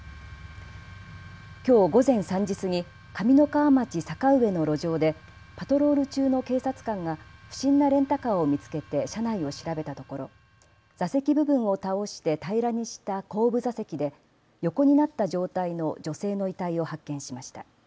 きょう午前３時過ぎ、上三川町坂上の路上でパトロール中の警察官が不審なレンタカーを見つけて車内を調べたところ座席部分を倒して平らにした後部座席で横になった状態の女性の遺体を発見しました。